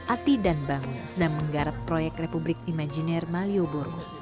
ati dan bangun sedang menggarap proyek republik imajiner malioboro